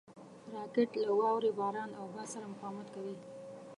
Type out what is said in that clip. راکټ له واورې، باران او باد سره مقاومت کوي